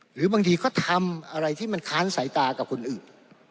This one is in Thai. หรือบางทีก็ทำอะไรที่มันค้านสายตากับคนอื่น